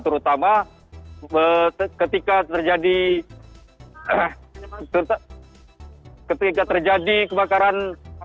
terutama ketika terjadi kebakaran